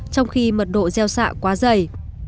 trong khi mật độ gieo xạ quá dày